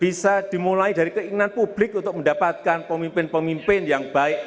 bisa dimulai dari keinginan publik untuk mendapatkan pemimpin pemimpin yang baik